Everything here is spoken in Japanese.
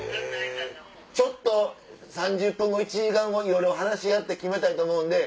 ちょっと３０分後１時間後に話し合って決めたいと思うんで。